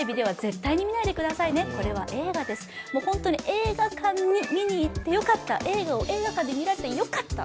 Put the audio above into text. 映画館に見に行ってよかった、映画を映画館で見られてよかった。